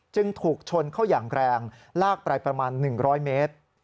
จึงถูกชนเข้าอย่างแรงลากไปประมาณ๑๐๐เมตร